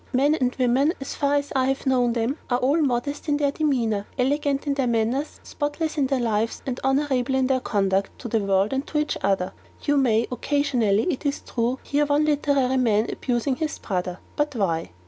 Men and women, as far as I have known them, they are all modest in their demeanour, elegant in their manners, spotless in their lives, and honourable in their conduct to the world and to each other. You MAY, occasionally, it is true, hear one literary man abusing his brother; but why?